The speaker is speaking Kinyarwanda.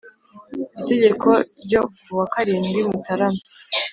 itegeko ryo kuwa karindwi Mutarama